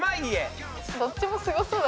どっちもすごそうだ。